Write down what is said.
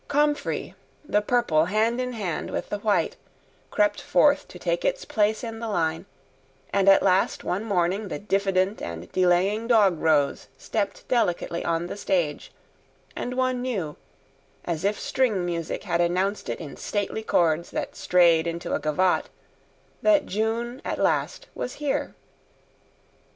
Comfrey, the purple hand in hand with the white, crept forth to take its place in the line; and at last one morning the diffident and delaying dog rose stepped delicately on the stage, and one knew, as if string music had announced it in stately chords that strayed into a gavotte, that June at last was here.